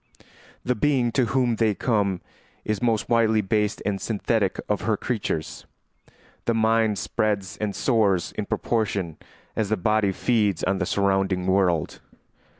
The being to whom they come is the most widely based and synthetic of her creatures. The mind spreads and soars in proportion as the body feeds on the surrounding world.